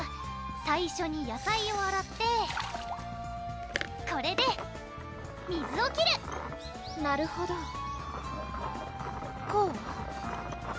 最初に野菜をあらってこれで水を切るなるほどこう？